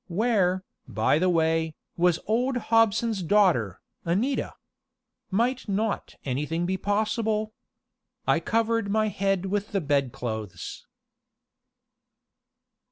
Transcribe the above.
Where, by the way, was old Hobson's daughter, Anita? Might not anything be possible? I covered my head with the bedclothes.